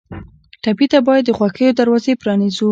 ټپي ته باید د خوښیو دروازې پرانیزو.